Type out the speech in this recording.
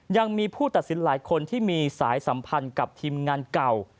ยังมีผู้ตัดสินหลายคนที่มีสายสัมพันธ์กับทีมงานเก่า